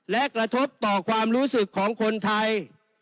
และกระทบต่อความรู้สึกของคนไทย